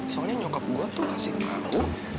soalnya nyokap gue tuh kasih tau